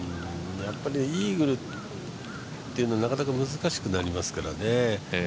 イーグルというのは、なかなか難しくなりますからね。